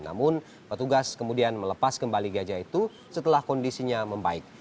namun petugas kemudian melepas kembali gajah itu setelah kondisinya membaik